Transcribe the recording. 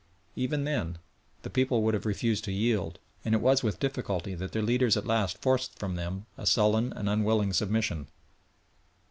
Even then the people would have refused to yield, and it was with difficulty that their leaders at last forced from them a sullen and unwilling submission.